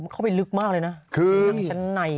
เข้าไปลึกมากเลยนะ